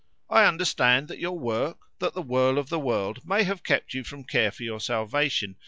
I understand that your work, that the whirl of the world may have kept you from care for your salvation.